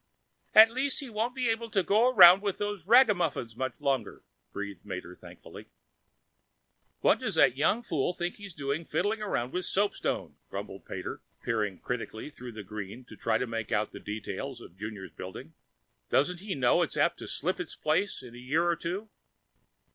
"At least he won't be able to go around with those ragamuffins much longer," breathed Mater thankfully. "What does the young fool think he's doing, fiddling round with soapstone?" grumbled Pater, peering critically through the green to try to make out the details of Junior's building. "Doesn't he know it's apt to slip its place in a year or two?"